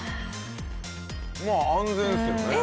まあ安全ですよね。